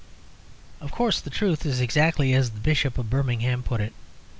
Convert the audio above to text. Of course the truth is exactly as the Bishop of Birmingham put it.